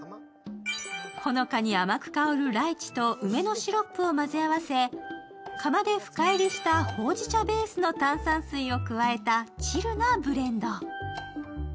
ほのかに甘く香るライチと梅のシロップを混ぜ合わせ釜で深いりしたほうじ茶ベースの炭酸水を加えたチルなブレンド。